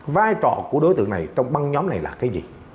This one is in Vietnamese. vai trò của đối tượng này trong băng nhóm này là cái gì